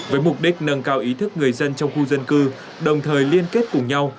với mục đích nâng cao ý thức người dân trong khu dân cư đồng thời liên kết cùng nhau